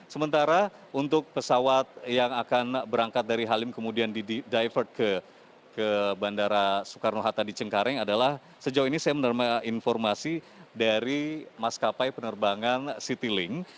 sementara untuk pesawat yang akan berangkat dari halim kemudian di divert ke bandara soekarno hatta di cengkareng adalah sejauh ini saya menerima informasi dari maskapai penerbangan citylink